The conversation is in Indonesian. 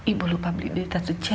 ibu lupa beli data cucian